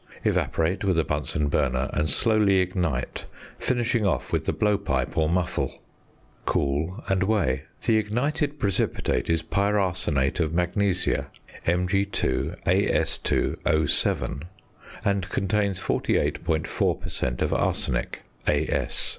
Evaporate with a Bunsen burner, and slowly ignite, finishing off with the blow pipe or muffle. Cool, and weigh. The ignited precipitate is pyrarsenate of magnesia (Mg_As_O_), and contains 48.4 per cent. of arsenic (As).